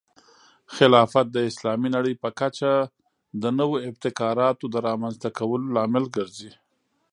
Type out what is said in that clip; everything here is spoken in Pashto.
خلافت د اسلامي نړۍ په کچه د نوو ابتکاراتو د رامنځته کولو لامل ګرځي.